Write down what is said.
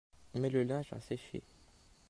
On met le linge à sécher.